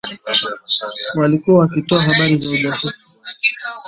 Walikuwa wakitoa habari za ujasusi